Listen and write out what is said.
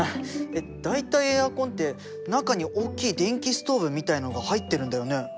大体エアコンって中に大きい電気ストーブみたいなのが入ってるんだよね？